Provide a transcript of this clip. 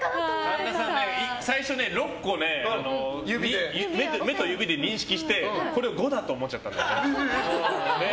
神田さん、最初６個目と指で認識してこれを５だと思っちゃったんだよね。